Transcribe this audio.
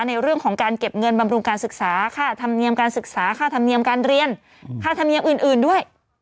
ในเรื่องของการเก็บเงินบำรุงการศึกษาค่าธรรมเนียมการศึกษาค่าธรรมเนียมการเรียนค่าธรรมเนียมอื่นด้วย